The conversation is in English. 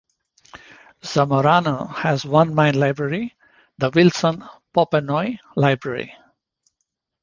Zamorano has one main library, the Wilson Popenoe Library.